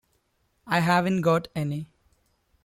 "I haven't got any".